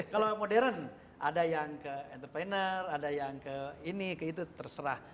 kalau yang modern ada yang ke entrepreneur ada yang ke ini ke itu terserah